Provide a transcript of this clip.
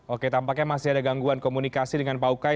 oke tampaknya masih ada gangguan komunikasi dengan pak ukay